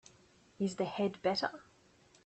Is the head better?